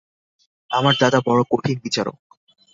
আমার দাদা বড়ো কঠিন বিচারক।